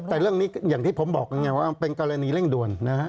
แต่เรื่องนี้อย่างที่ผมบอกไงว่ามันเป็นกรณีเร่งด่วนนะฮะ